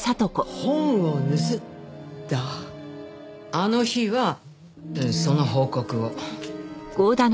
あの日はその報告を。